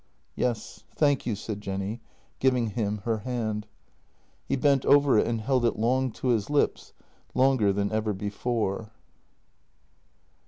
"" Yes, thank you," said Jenny, giving him her hand. 172 JENNY He bent over it and held it long to his lips — longer than ever before.